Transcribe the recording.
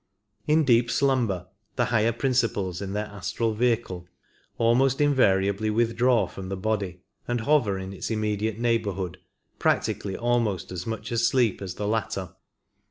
In deep slumber the higher principles in their astral vehicle almost invariably withdraw from the body, and hover in its immediate neigh bourhood, practically almost as much asleep as the latter.